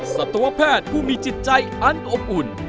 สัตวแพทย์ผู้มีจิตใจอันอบอุ่น